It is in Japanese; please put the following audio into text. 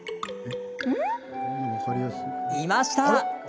いました。